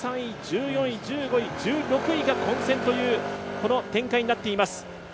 １３位から１６位が混戦という展開になっています。